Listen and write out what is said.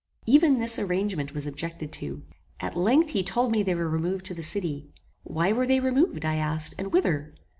Even this arrangement was objected to. At length he told me they were removed to the city. Why were they removed, I asked, and whither?